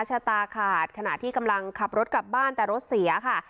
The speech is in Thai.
ชะตาขาดขณะที่กำลังขับรถกลับบ้านแต่รถเสียค่ะ